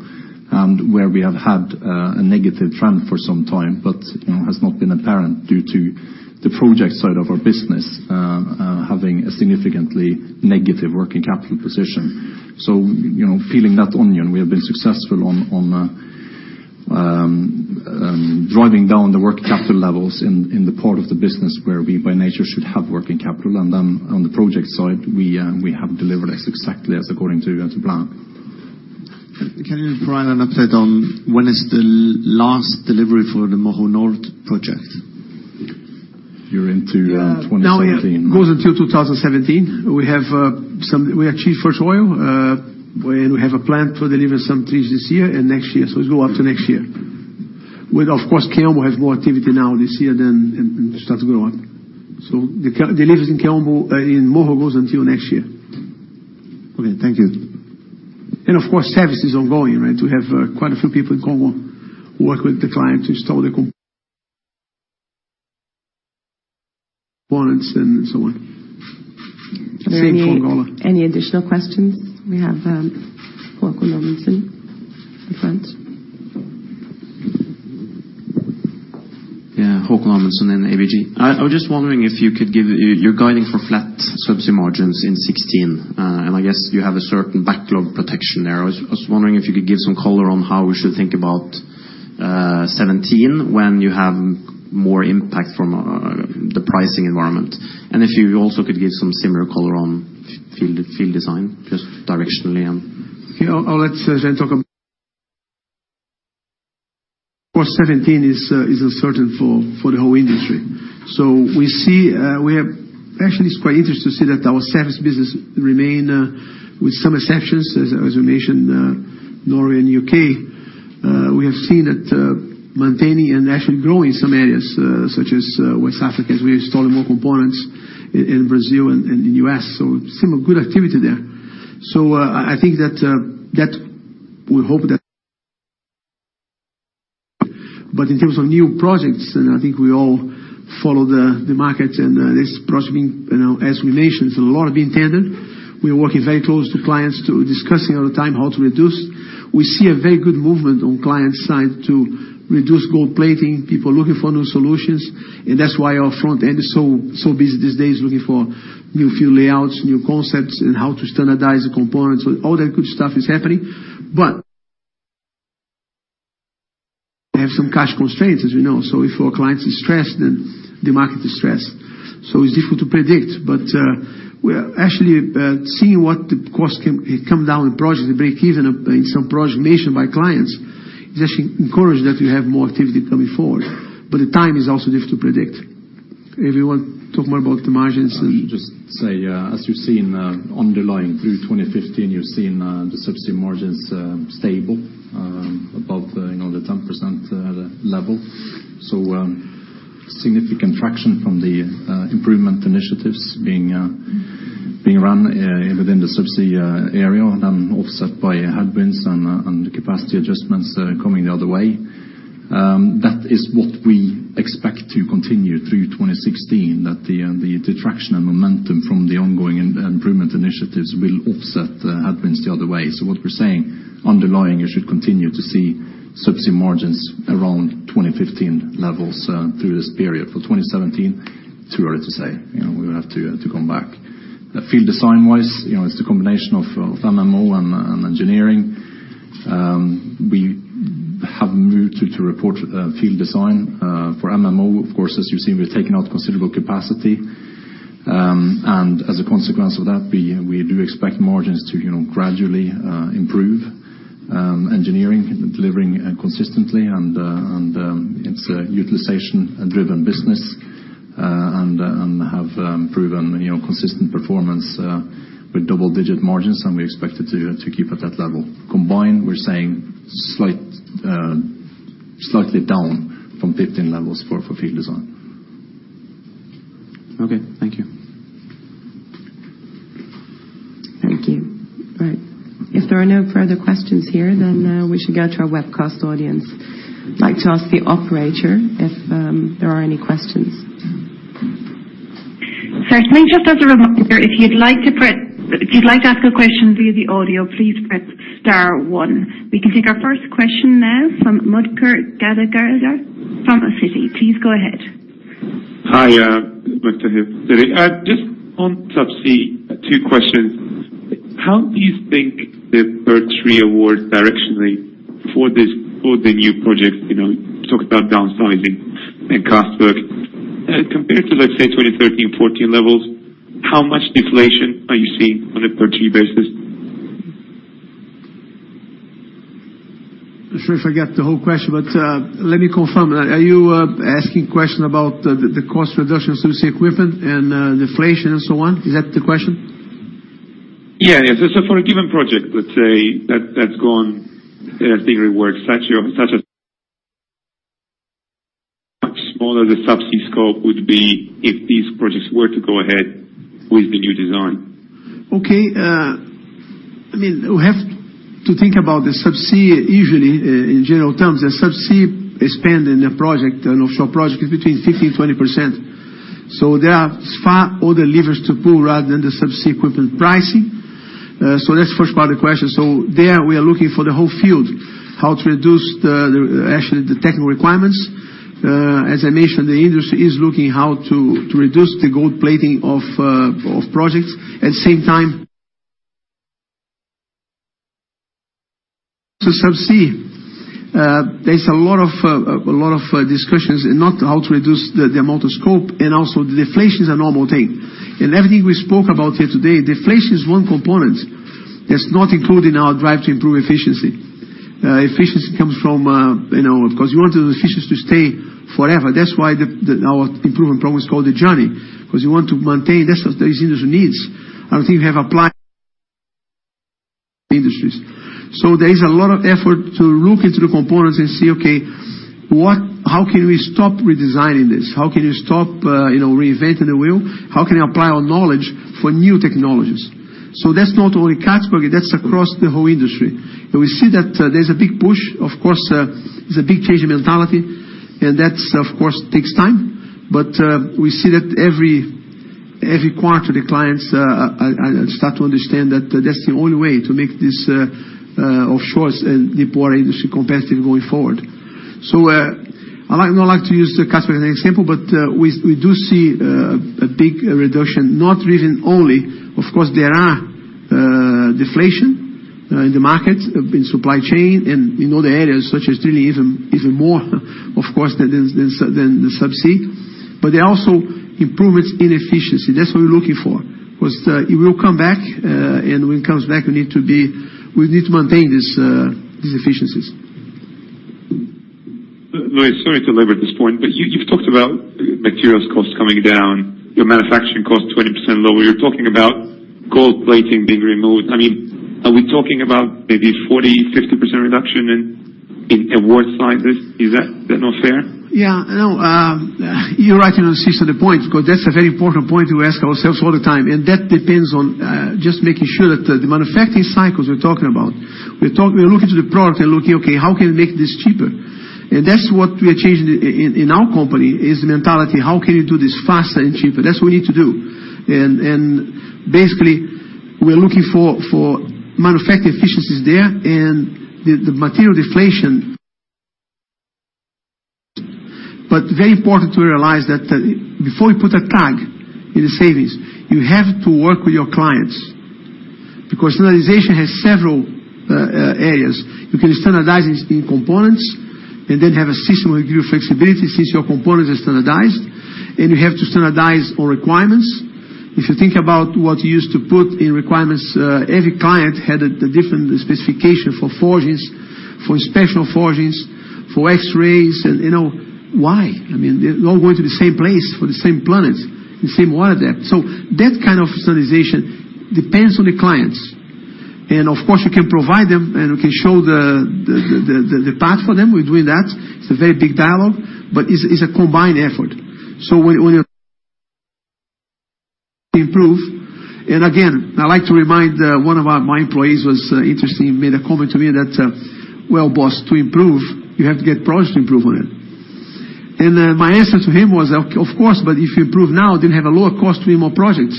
and where we have had a negative trend for some time, but, you know, has not been apparent due to the project side of our business, having a significantly negative working capital position. You know, peeling that onion, we have been successful on driving down the working capital levels in the part of the business where we by nature should have working capital. On the project side, we have delivered as exactly as according to plan. Can you provide an update on when is the last delivery for the Moho Nord project? You're into, 2017. It goes until 2017. We have We achieved first oil when we have a plan to deliver some trees this year and next year. It go up to next year. With, of course, Kaombo has more activity now this year than, and start to go up. The deliveries in Kaombo in Moho goes until next year. Okay, thank you. Of course, service is ongoing, right? We have quite a few people in Congo working with the client to install the components and so on. Same phone caller. Are there any additional questions? We have Haakon Amundsen in front. Haakon Amundsen in ABG. You're guiding for flat Subsea margins in 16, and I guess you have a certain backlog protection there. I was wondering if you could give some color on how we should think about 17 when you have more impact from the pricing environment. If you also could give some similar color on Field Design, just directionally. I'll let Svein talk. Of course, 17 is uncertain for the whole industry. We see, we have. Actually, it's quite interesting to see that our service business remain with some exceptions, as we mentioned, Norway and U.K. We have seen it maintaining and actually growing some areas, such as West Africa, as we're installing more components in Brazil and U.S. Some good activity there. I think that we hope that. In terms of new projects, and I think we all follow the market and this project being, you know, as we mentioned, it's a lot of being tendered. We are working very close to clients to discussing all the time how to reduce. We see a very good movement on clients' side to reduce gold plating, people looking for new solutions. That's why our front end is so busy these days, looking for new field layouts, new concepts, and how to standardize the components. All that good stuff is happening. They have some cash constraints, as we know. If our clients is stressed, then the market is stressed. It's difficult to predict. We are actually seeing what the cost can come down in projects, the break-even in some projects mentioned by clients, is actually encouraged that we have more activity coming forward. The time is also difficult to predict. If you want to talk more about the margins and. I should just say, as you've seen, underlying through 2015, you've seen the Subsea margins stable, above, you know, the 10% level. Significant traction from the improvement initiatives being run within the Subsea area and then offset by headwinds and the capacity adjustments coming the other way. That is what we expect to continue through 2016, that the detraction and momentum from the ongoing improvement initiatives will offset the headwinds the other way. What we're saying, underlying, you should continue to see Subsea margins around 2015 levels through this period. For 2017, too early to say. You know, we'll have to come back. Field Design-wise, you know, it's a combination of MMO and engineering. We have moved to report Field Design for MMO. Of course, as you've seen, we've taken out considerable capacity. As a consequence of that, we do expect margins to, you know, gradually improve. Engineering delivering consistently and it's a utilization-driven business and have proven, you know, consistent performance with double-digit margins, and we expect it to keep at that level. Combined, we're saying slight, slightly down from 15 levels for Field Design. Okay. Thank you. Thank you. All right. If there are no further questions here, we should go to our webcast audience. I'd like to ask the operator if there are any questions. Certainly. Just as a reminder, if you'd like to ask a question via the audio, please press star one. We can take our first question now from Mukul Garg from Citi. Please go ahead. Hi, Mukul Garg here, Citi. Just on Subsea, two questions. How do you think the per-tree awards directionally for this, for the new projects, you know, talk about downsizing and cost work? Compared to, let's say, 2013, 2014 levels, how much deflation are you seeing on a per-tree basis? Not sure if I got the whole question, but, let me confirm. Are you asking question about the cost reduction of Subsea equipment and, deflation and so on? Is that the question? Yeah, yeah. For a given project, let's say that that's gone, I think it works such a much smaller the Subsea scope would be if these projects were to go ahead with the new design. Okay. I mean, we have to think about the Subsea usually in general terms. The Subsea spend in a project, an offshore project, is between 15%–20%. There are far other levers to pull rather than the Subsea equipment pricing. That's the first part of the question. There, we are looking for the whole field, how to reduce the actually the technical requirements. As I mentioned, the industry is looking how to reduce the gold plating of projects. At the same time to Subsea. There's a lot of discussions in not how to reduce the amount of scope and also the deflation's a normal thing. Everything we spoke about here today, deflation is one component that's not included in our drive to improve efficiency. Efficiency comes from, you know, because you want the efficiency to stay forever. That's why our improvement program is called The Journey, because you want to maintain. That's what this industry needs. I don't think we have applied industries. There is a lot of effort to look into the components and see, okay, how can we stop redesigning this? How can you stop, you know, reinventing the wheel? How can you apply our knowledge for new technologies? That's not only Kaombo, that's across the whole industry. We see that there's a big push, of course, there's a big change in mentality, and that, of course, takes time. We see that every quarter, the clients start to understand that that's the only way to make this offshores and deepwater industry competitive going forward. I like, not like to use the Kaombo example, but we do see a big reduction, not driven only. Of course, there are deflation in the markets, in supply chain and in other areas such as drilling, even more, of course, than the than Subsea. There are also improvements in efficiency. That's what we're looking for, because it will come back, and when it comes back, we need to maintain these efficiencies. Luis, sorry to labor this point, you've talked about materials costs coming down, your manufacturing costs 20% lower. You're talking about gold plating being removed. I mean, are we talking about maybe 40%, 50% reduction in award sizes? Is that not fair? Yeah, no, you're right to insist on the point, because that's a very important point we ask ourselves all the time. That depends on just making sure that the manufacturing cycles we're talking about, we're looking to the product and looking, okay, how can we make this cheaper? That's what we are changing in our company is the mentality, how can you do this faster and cheaper? That's what we need to do. Basically, we're looking for manufacturing efficiencies there and the material deflation but very important to realize that, before you put a tag in the savings, you have to work with your clients because standardization has several areas. You can standardize it in components and then have a system that give you flexibility since your components are standardized, and you have to standardize all requirements. If you think about what you used to put in requirements, every client had a different specification for forges, for special forges, for X-rays, and you know, why? I mean, they're all going to the same place for the same planets, the same water there. That kind of standardization depends on the clients. Of course, we can provide them, and we can show the path for them. We're doing that. It's a very big dialogue, but it's a combined effort. When you improve, and again, I like to remind, one of my employees was interesting, made a comment to me that, "Well, boss, to improve, you have to get projects to improve on it." My answer to him was, "Of course, but if you improve now, then have a lower cost to win more projects."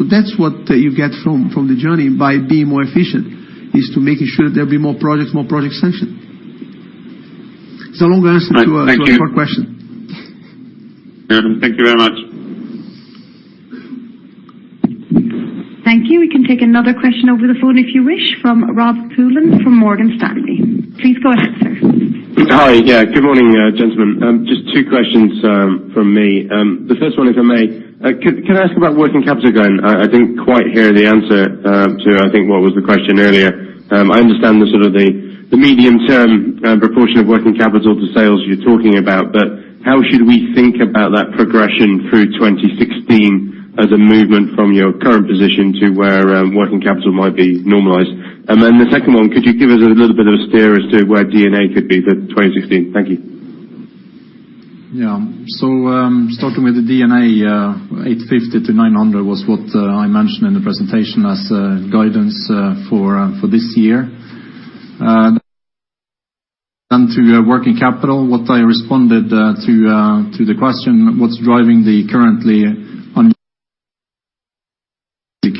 That's what you get from The Journey by being more efficient, is to making sure that there'll be more projects, more project sanction. It's a long answer to a short question. Thank you. Thank you very much. Thank you. We can take another question over the phone if you wish from Rob Pulleyn from Morgan Stanley. Please go ahead, sir. Hi. Good morning, gentlemen. Just 2 questions from me. The first one, if I may, can I ask about working capital again? I didn't quite hear the answer to, I think, what was the question earlier. I understand the sort of the medium-term proportion of working capital to sales you're talking about. How should we think about that progression through 2016 as a movement from your current position to where working capital might be normalized? The 2nd one, could you give us a little bit of a steer as to where D&A could be for 2016? Thank you. Starting with the D&A, 850–900 was what I mentioned in the presentation as guidance for this year. To working capital, what I responded to the question, what's driving the currently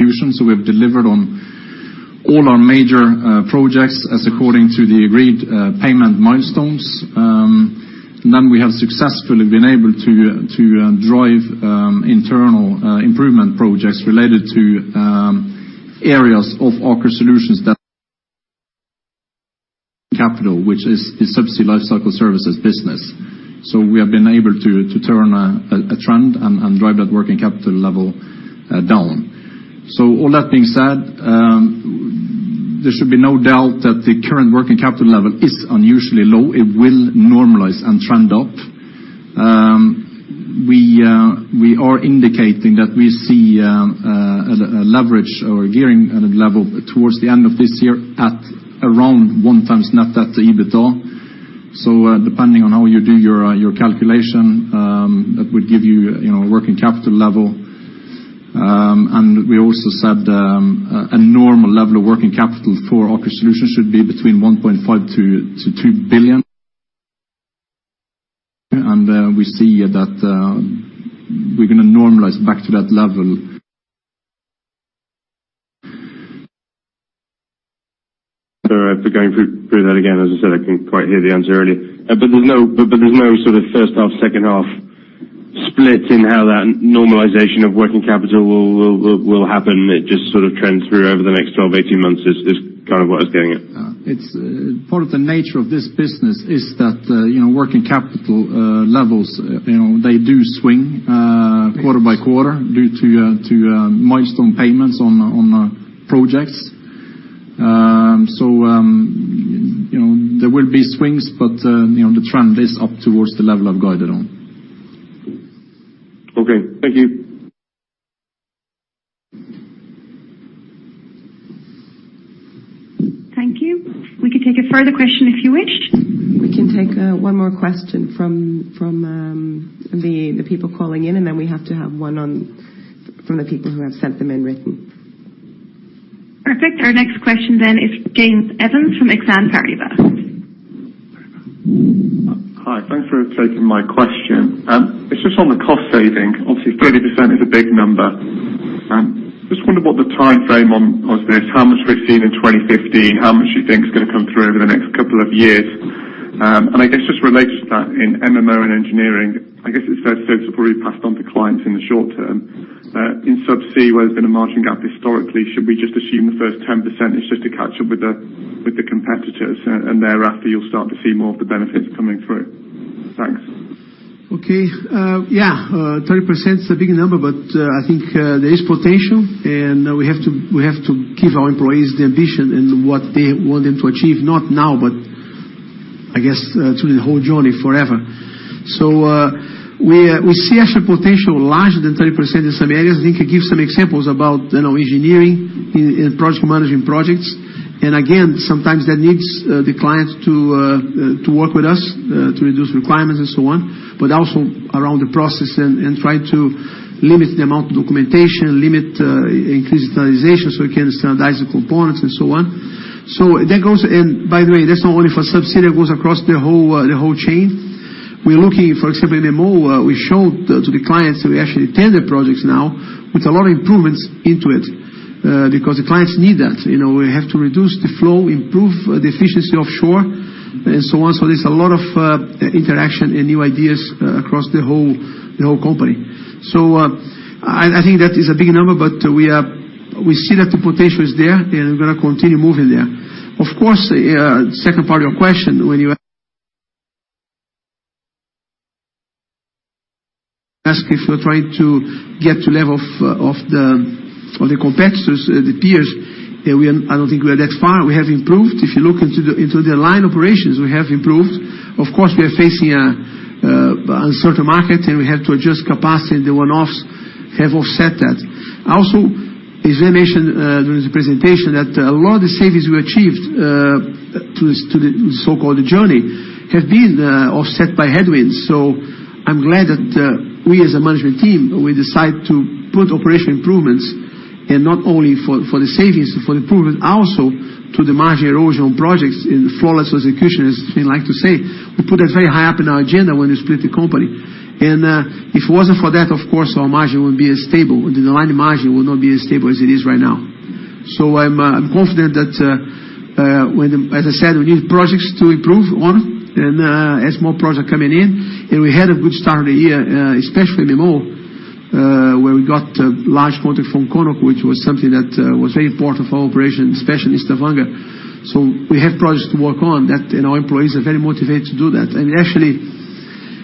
on execution. We have delivered on all our major projects as according to the agreed payment milestones. We have successfully been able to drive internal improvement projects related to areas of Aker Solutions that capital, which is the Subsea lifecycle services business. We have been able to turn a trend and drive that working capital level down. All that being said, there should be no doubt that the current working capital level is unusually low. It will normalize and trend up. We are indicating that we see a leverage or gearing at a level towards the end of this year at around 1 times net debt to EBITDA. Depending on how you do your calculation, that would give you know, a working capital level. We also said, a normal level of working capital for Aker Solutions should be between 1.5 billion–2 billion. We see that we're gonna normalize back to that level. Sorry for going through that again. As I said, I couldn't quite hear the answer earlier. There's no sort of first half, second half split in how that normalization of working capital will happen? It just sort of trends through over the next 12, 18 months is kind of what I was getting at. It's part of the nature of this business is that, you know, working capital levels, you know, they do swing quarter by quarter due to milestone payments on projects. You know, there will be swings, but, you know, the trend is up towards the level I've guided on. Okay, thank you. Thank you. We can take a further question if you wish. We can take one more question from the people calling in, and then we have to have one on from the people who have sent them in written. Perfect. Our next question then is James Evans from Exane BNP Paribas. Hi, thanks for taking my question. It's just on the cost saving. Obviously, 30% is a big number. Just wondered what the timeframe on this. How much we've seen in 2015, how much you think is gonna come through over the next couple of years? I guess just related to that in MMO and engineering, I guess it's fair to say it's already passed on to clients in the short term. In Subsea where there's been a margin gap historically, should we just assume the first 10% is just to catch up with the competitors, and thereafter you'll start to see more of the benefits coming through? Thanks. Okay. Yeah, 30%'s a big number, but I think there is potential, and we have to, we have to give our employees the ambition and what they want them to achieve, not now, but I guess through the whole Journey forever. We see actual potential larger than 30% in some areas. I think I gave some examples about, you know, engineering in project managing projects. Again, sometimes that needs the clients to work with us to reduce requirements and so on, but also around the process and try to limit the amount of documentation, limit, increase standardization so we can standardize the components and so on. That goes. By the way, that's not only for Subsea, that goes across the whole chain. We're looking, for example, MMO, we showed to the clients that we actually tender projects now with a lot of improvements into it, because the clients need that. You know, we have to reduce the flow, improve the efficiency offshore and so on. There's a lot of interaction and new ideas across the whole, the whole company. I think that is a big number, but we see that the potential is there, and we're gonna continue moving there. Of course, second part of your question, when you ask if we're trying to get to level of the competitors, the peers, I don't think we are that far. We have improved. If you look into the line operations, we have improved. Of course, we are facing a uncertain market, and we have to adjust capacity, and the one-offs have offset that. Also, as I mentioned, during the presentation, that a lot of the savings we achieved, to the so-called Journey have been offset by headwinds. I'm glad that we as a management team, we decide to put operation improvements and not only for the savings, for the improvement also to the margin erosion projects in flawless execution, as we like to say. We put that very high up in our agenda when we split the company. If it wasn't for that, of course, our margin would be stable, the line margin would not be as stable as it is right now. I'm confident that. As I said, we need projects to improve on and, as more projects are coming in, and we had a good start of the year, especially MMO, where we got a large contract from Conoco, which was something that was very important for our operation, especially in Stavanger. We have projects to work on that, and our employees are very motivated to do that. Actually,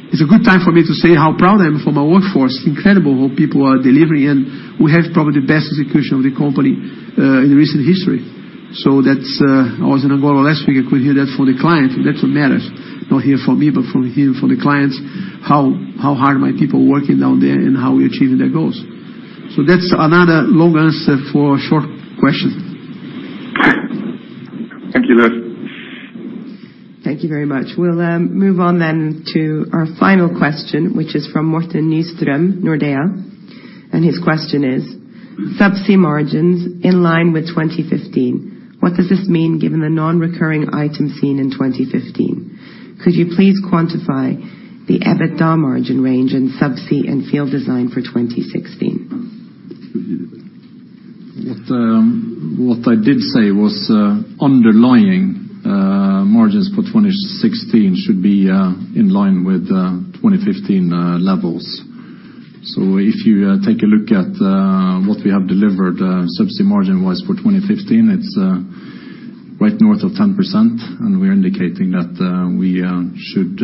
it's a good time for me to say how proud I am for my workforce. Incredible how people are delivering, and we have probably the best execution of the company in recent history. That's, I was in Angola last week. I could hear that from the client, and that's what matters. Not hear from me, but from hear from the clients, how hard my people working down there and how we're achieving their goals. That's another long answer for a short question. Thank you. Thank you very much. We'll move on then to our final question, which is from Morten Nystrøm, Nordea. His question is, Subsea margins in line with 2015. What does this mean given the non-recurring item seen in 2015? Could you please quantify the EBITDA margin range in Subsea and Field Design for 2016? What I did say was underlying margins for 2016 should be in line with 2015 levels. If you take a look at what we have delivered Subsea margin-wise for 2015, it's right north of 10%, and we are indicating that we should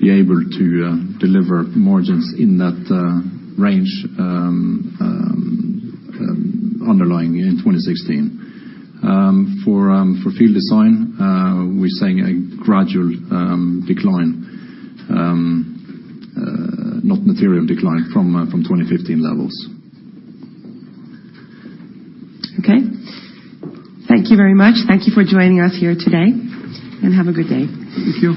be able to deliver margins in that range underlying in 2016. For Field Design, we're seeing a gradual decline, not material decline from 2015 levels. Okay. Thank you very much. Thank you for joining us here today, and have a good day. Thank you.